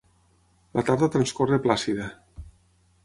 La tarda transcorre plàcida.